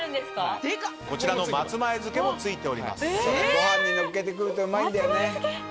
ご飯にのっけて食うとうまいんだよね。